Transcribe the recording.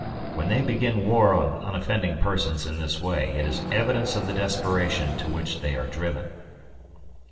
When they begin war on unoffending persons in this way it is evidence of the desperation to which they are driven.